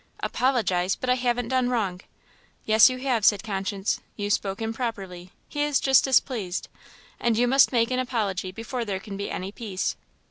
"Apologize! but I haven't done wrong." "Yes, you have," said conscience, "you spoke improperly; he is just displeased; and you must make an apology before there can be any peace."